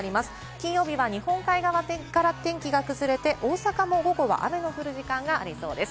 金曜日は日本海側から天気が崩れて大阪も午後は雨の降る時間がありそうです。